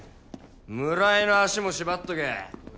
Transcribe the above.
村井の足も縛っとけ。